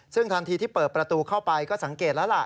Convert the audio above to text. ซึ่งทันทีที่เปิดประตูเข้าไปก็สังเกตแล้วล่ะ